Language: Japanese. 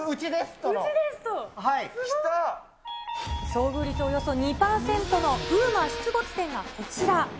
遭遇率およそ２％のＵＭＡ出没店がこちら。